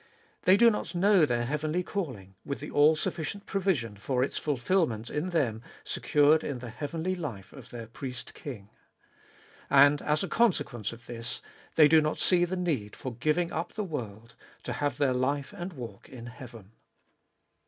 They do not know their heavenly calling, with the all sufficient provision for its fulfilment in them secured in the heavenly life of their Priest King. And, as a consequence of this, they do not see the need for giving up the world, to have their life and walk in heaven.